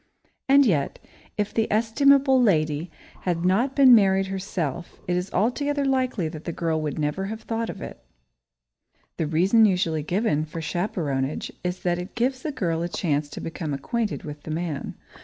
And yet, if the estimable lady had not been married herself, it is altogether likely that the girl would never have thought of it. [Sidenote: The Chaperone] The reason usually given for chaperonage is that it gives the girl a chance to become acquainted with the man.